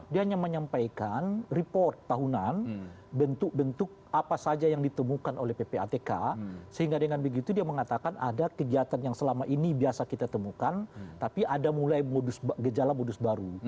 dia hanya menyampaikan report tahunan bentuk bentuk apa saja yang ditemukan oleh ppatk sehingga dengan begitu dia mengatakan ada kegiatan yang selama ini biasa kita temukan tapi ada mulai gejala modus baru